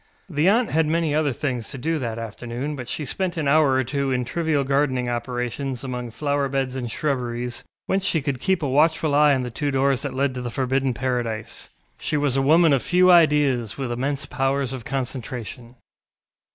The aunt had many other things to do that afternoon, but she spent an hour or two in trivial gardening operations among flower beds and shrubberies, whence she could keep a watchful eye on the two doors that led to the forbidden paradise. She was a woman of few ideas, with immense powers of concentration.